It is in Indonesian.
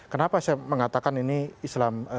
kenapa saya mengatakan ini islam